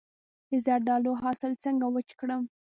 د زردالو حاصل څنګه وچ کړم؟